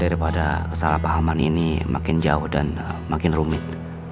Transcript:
dari pada kesalahpahaman ini makin jauh dan makin rumit